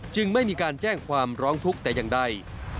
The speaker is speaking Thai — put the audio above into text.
ไม่มีการแจ้งความร้องทุกข์แต่อย่างใด